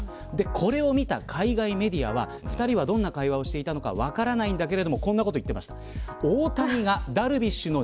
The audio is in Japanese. これを見た海外メディアは２人がどんな会話をしていたか分からないんだけれどもこんなことを言ってました。